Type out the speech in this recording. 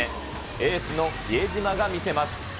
エースの比江島が見せます。